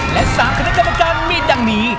และ๓คณะกรรมการมีดังนี้